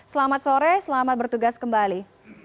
selamat sore selamat bertugas kembali